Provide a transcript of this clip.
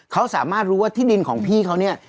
เขาสามารถรู้ว่าที่ดินของพี่เขาเนี่ย